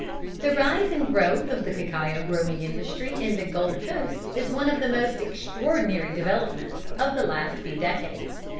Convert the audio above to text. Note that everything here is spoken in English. The rise and growth of the cacao growing industry in the Gold Coast is one of the most extraordinary developments of the last few decades.